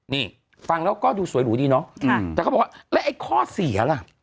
นี่ฟังแล้วก็ดูสวยหรูดีเนาะแต่เขาบอกว่าแล้วไอ้ข้อเสียล่ะ